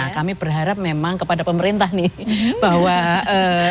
ya kami berharap memang kepada pemerintah nih bahwa fasilitas untuk belajar mengajar itu bisa merata menyeluruh